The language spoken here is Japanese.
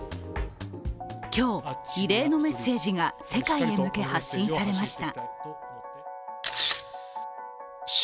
今日、異例のメッセージが世界へ向け発信されました。